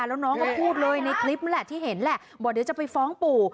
แล้วน้องก็พูดเลยในคลิปนั่นแหละที่เห็นแหละบอกเดี๋ยวจะไปฟ้องปู่